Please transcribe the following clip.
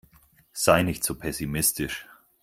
Sei nicht so pessimistisch.